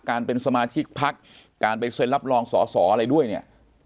การเป็นสมาชิกพักการไปเซ็นรับรองสอสออะไรด้วยเนี่ย